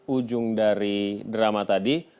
ujung dari drama tadi